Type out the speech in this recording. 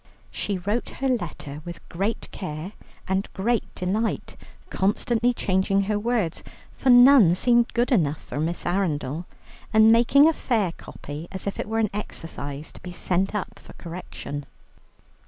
She wrote her letter with great care and great delight, constantly changing her words, for none seemed good enough for Miss Arundel, and making a fair copy, as if it were an exercise to be sent up for correction.